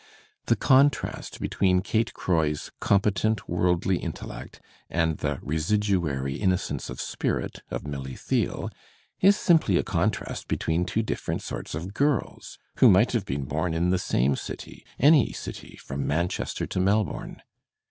The contrast between Kate Croy's competent wordly intellect and the "residuary innocence of spirit" of Milly Theale is simply a contrast between two different sorts of girls, who might have been bom in the same city, any city from Manchester to Melbourne.